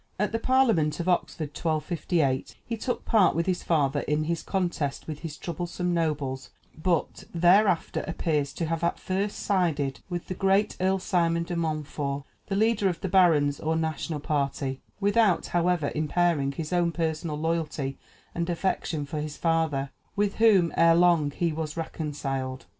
[Illustration: Edward I. of England. [TN]] At the Parliament of Oxford (1258) he took part with his father in his contest with his troublesome nobles, but thereafter appears to have at first sided with the great Earl Simon de Montfort, the leader of the barons or national party, without, however, impairing his own personal loyalty and affection for his father, with whom ere long he was reconciled.